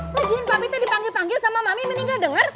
lagiin papi teh dipanggil panggil sama mami mendingan denger